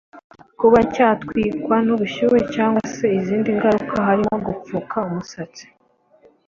kuba cyatwikwa n’ubushyuhe cyangwa se izindi ngaruka harimo gupfuka umusatsi